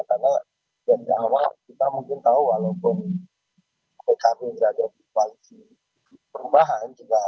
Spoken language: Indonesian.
karena dari awal kita mungkin tahu walaupun pkp tidak ada di balik di perubahan juga